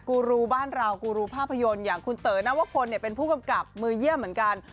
กูรูบ้านเรากูรูภาพยนตร์อย่างคุณเต๋อนวพลเป็นผู้กำกับมือเยี่ยมเหมือนกัน